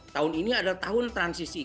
tahun ini adalah tahun transisi